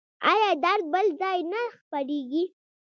ایا درد بل ځای ته خپریږي؟